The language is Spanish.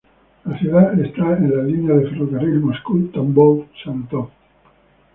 La ciudad está en la línea de ferrocarril Moscú-Tambov-Saratov.